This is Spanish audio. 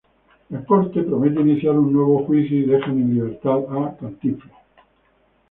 La corte promete iniciar un nuevo juicio, y dejan en libertad a "Cantinflas".